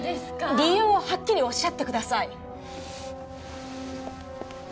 理由をはっきり仰ってください。